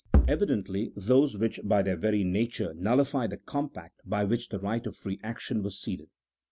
Evidently those which by their very nature nullify the compact by which the right of free action was ceded.